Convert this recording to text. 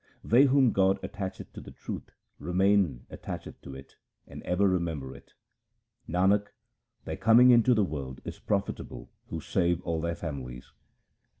They whom God attacheth to the truth remain attached to it and ever remember it. Nanak, their coming into the world is profitable who save all their families.